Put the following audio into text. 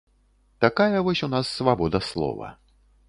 Такая вось у нас свабода слова.